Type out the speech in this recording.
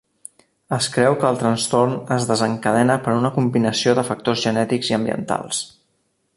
Es creu que el trastorn es desencadena per una combinació de factors genètics i ambientals.